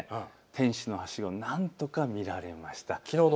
天使のはしご、なんとか見られました。